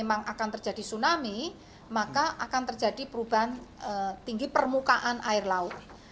maka akan terjadi perubahan tinggi permukaan air laut